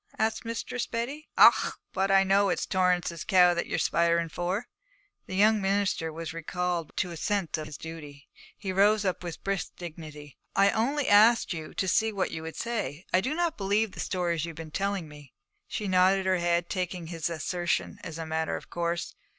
asked Mistress Betty. 'Och, but I know it's Torrance's cow that ye're speiring for.' The young minister was recalled to a sense of his duty. He rose up with brisk dignity. 'I only asked you to see what you would say. I do not believe the stories you have been telling me.' She nodded her head, taking his assertion as a matter of course.